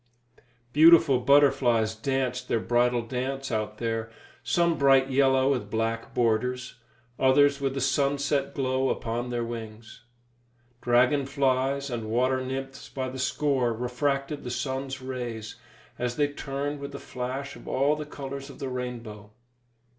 Beautiful butterflies danced their bridal dance out there, some bright yellow with black borders, others with the sunset glow upon their wings. Dragon flies and water nymphs by the score refracted the sun's rays as they turned with a flash of all the colours of the rainbow.